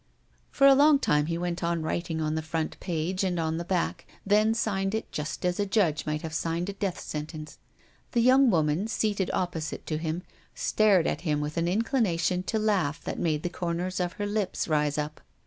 For a long time he went on writing on the front page and on the back, then signed it just as a judge might have signed a death sentence. The young woman, seated opposite to him, stared at him with an inclination to laugh that made the corners of her lips rise up.